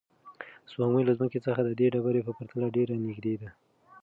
سپوږمۍ له ځمکې څخه د دې ډبرې په پرتله ډېره نږدې ده.